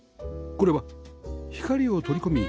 これは光を取り込み